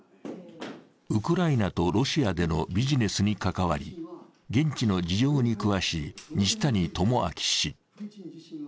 ウクライナとロシアでのビジネスに関わり現地の事情に詳しい西谷公明氏。